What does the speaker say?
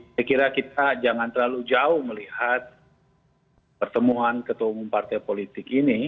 saya kira kita jangan terlalu jauh melihat pertemuan ketua umum partai politik ini